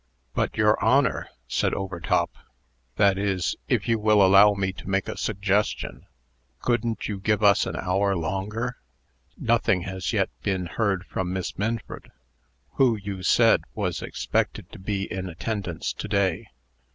"But, your Honor," said Overtop, " that is, if you will allow me to make the suggestion couldn't you give us an hour longer? Nothing has yet been heard from Miss Minford, who, you said, was expected to be in attendance to day.